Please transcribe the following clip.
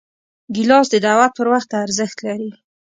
ګیلاس د دعوت پر وخت ارزښت لري.